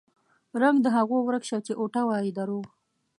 رنګ د هغو ورک شه چې اوټه وايي دروغ